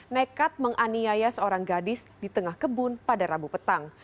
nekat menganiaya seorang gadis di tengah kebun pada rabu petang